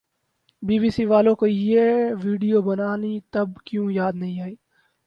be B C والوں کو یہ وڈیو بنانی تب کیوں یاد نہ آئی